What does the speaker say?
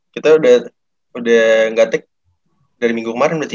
kita udah nggak tag dari minggu kemarin mbak cie